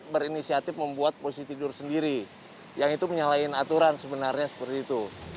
berinisiatif membuat posisi tidur sendiri yang itu menyalahi aturan sebenarnya seperti itu